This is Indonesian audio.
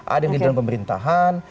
ada yang di dalam pemerintahan